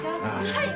はい！